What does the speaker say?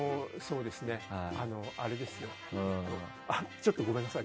ちょっとごめんなさい。